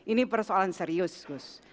ini persoalan serius